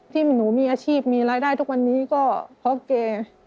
ที่หนูมีอาชีพมีรายได้ทุกวันนี้ก็เพราะแก